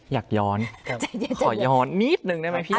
อยากย้อนขอย้อนนิดนึงได้ไหมพี่